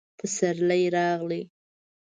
پسرلی راغلی